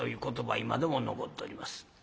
今でも残っとります。